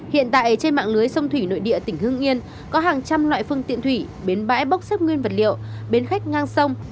hiện tại trên mạng lưới sông thủy nội địa tỉnh hương yên có hàng trăm loại phương tiện thủy bến bãi bốc xếp nguyên vật liệu bến khách ngang sông